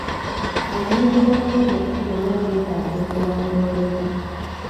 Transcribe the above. Emirimu gya pulojekiti gyonna gyeetaaga okulondoolebwa.